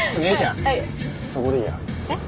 はいそこでいいやえっ？